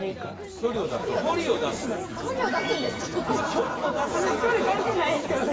距離関係ないんですけどね。